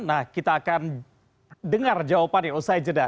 nah kita akan dengar jawaban yang usai jeda